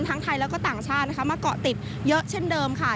ทั้งไทยแล้วก็ต่างชาตินะคะมาเกาะติดเยอะเช่นเดิมค่ะ